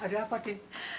ada apa ti